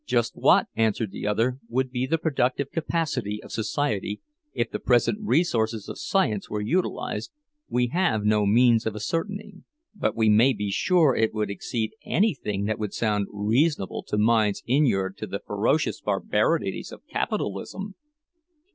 "Just what," answered the other, "would be the productive capacity of society if the present resources of science were utilized, we have no means of ascertaining; but we may be sure it would exceed anything that would sound reasonable to minds inured to the ferocious barbarities of capitalism.